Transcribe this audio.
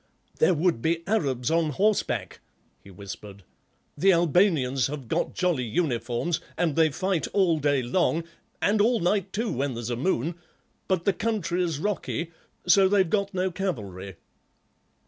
"There would be Arabs on horseback," he whispered; "the Albanians have got jolly uniforms, and they fight all day long, and all night, too, when there's a moon, but the country's rocky, so they've got no cavalry."